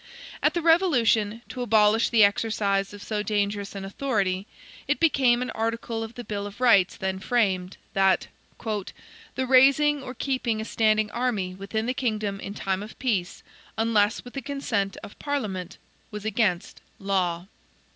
At the revolution, to abolish the exercise of so dangerous an authority, it became an article of the Bill of Rights then framed, that "the raising or keeping a standing army within the kingdom in time of peace, UNLESS WITH THE CONSENT OF PARLIAMENT, was against law."